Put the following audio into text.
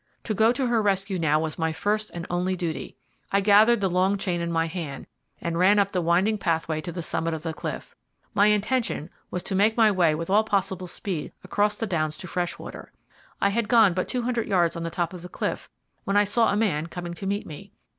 To go to her rescue now was my first and only duty. I gathered the long chain in my hand, and ran up the winding pathway to the summit of the cliff. My intention was to make my way with all possible speed across the Downs to Freshwater. I had gone about two hundred yards on the top of the cliff when I saw a man coming to meet me.